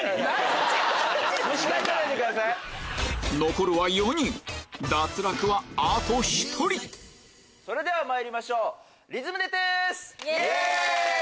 残るは４人脱落はあと１人それではまいりましょうリズムｄｅトゥース！イェイ！